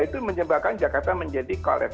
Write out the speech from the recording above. itu menyebabkan jakarta menjadi collets